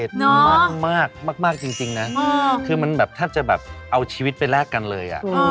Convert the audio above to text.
เนอะจริงนะคือมันแบบถ้าจะแบบเอาชีวิตไปแลกกันเลยอะ